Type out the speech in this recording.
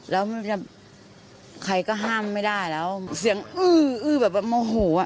แล้วไม่จับใครก็ห้ามไม่ได้แล้วเสียงอื้ออื้อแบบว่าเมาหูอ่ะ